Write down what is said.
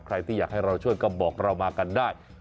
ใครที่อยากให้เราช่วยก็บอกเรามากันได้